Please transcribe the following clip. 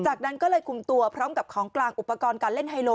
จากนั้นก็เลยคุมตัวพร้อมกับของกลางอุปกรณ์การเล่นไฮโล